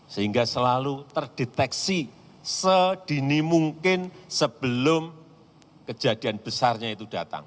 sehingga selalu terdeteksi sedini mungkin sebelum kejadian besarnya itu datang